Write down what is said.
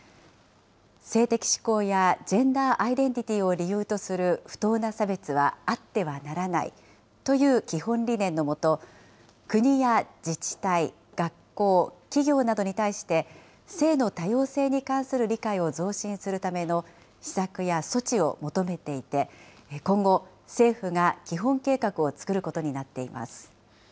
性的指向やジェンダーアイデンティティを理由とする不当な差別はあってはならないという基本理念の下、国や自治体、学校、企業などに対して、性の多様性に関する理解を増進するための施策や措置を求めていて、今後、政府が基本計画を作ることになっています。